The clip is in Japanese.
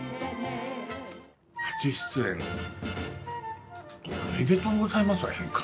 初出演おめでとうございますは変か。